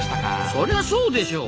そりゃそうでしょう。